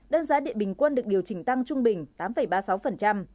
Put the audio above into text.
đơn giá điện bình quân được điều chỉnh tăng trung bình tám ba mươi sáu